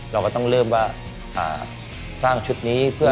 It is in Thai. เราก็ต้องเริ่มว่าสร้างชุดนี้เพื่อ